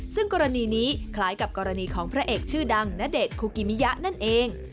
ซึ่งกรณีนี้คล้ายกับกรณีของพระเอกชื่อดังณเดชน์คุกิมิยะนั่นเอง